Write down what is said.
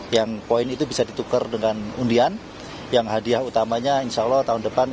yang poin itu bisa ditukar dengan undian yang hadiah utamanya insya allah tahun depan